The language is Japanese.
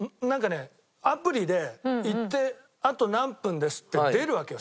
アプリで行ってあと何分ですって出るわけよ